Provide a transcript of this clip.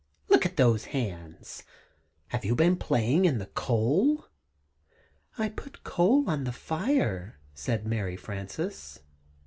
Look at those hands! Have you been playing in the coal?" "I put coal on the fire," said Mary Frances.